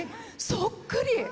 そっくり！